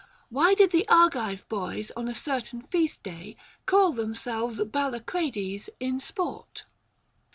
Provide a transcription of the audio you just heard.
Why did the Argive boys on a certain feast day call themselves Ballacrades in sport?